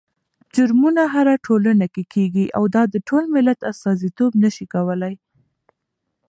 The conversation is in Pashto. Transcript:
جرمونه هره ټولنه کې کېږي او دا د ټول ملت استازيتوب نه شي کولی.